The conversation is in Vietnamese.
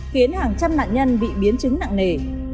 khiến hàng trăm nạn nhân bị biến chứng nặng nề